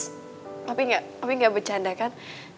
tapi gak tapi gak bercanda kan